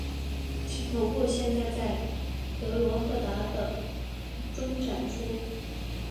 其头部现在在德罗赫达的中展出。